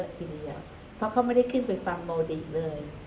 เขาอยู่เยอะทีนี้เพราะเขาไม่ได้ขึ้นไปฟังโมดิอีกเลย